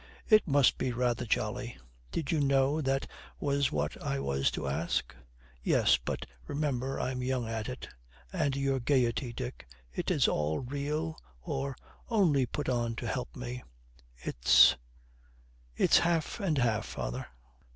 'It must be rather jolly.' 'Did you know that was what I was to ask?' 'Yes. But, remember, I'm young at it.' 'And your gaiety, Dick; is it all real, or only put on to help me?' 'It's it's half and half, father.'